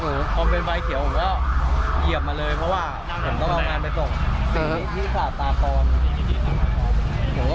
เชื่อมของผมเป็นไฟเขียวก็ก็เหยียบมาเลยเพราะว่าอยู่ที่มีรถสลับกลายแล้วมาชนดับเที่ยว